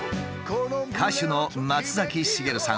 歌手の松崎しげるさん